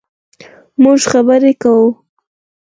مونږ خبرې کوو